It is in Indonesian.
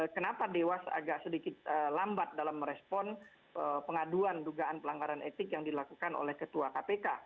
kenapa dewas agak sedikit lambat dalam merespon pengaduan dugaan pelanggaran etik yang dilakukan oleh ketua kpk